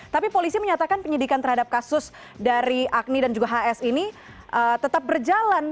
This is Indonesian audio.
tapi polisi menyatakan penyidikan terhadap kasus dari agni dan juga hs ini tetap berjalan